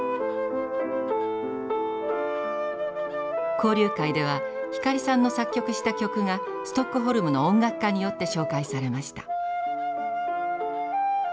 交流会では光さんの作曲した曲がストックホルムの音楽家によって紹介されました。